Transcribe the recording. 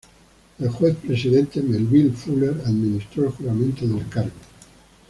El juez presidente, Melville Fuller, administró el juramento del cargo.